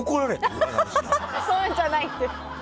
そういうのじゃないって。